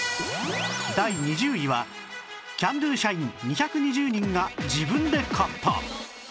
第２０位はキャンドゥ社員２２０人が自分で買った